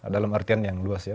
dalam artian yang luas ya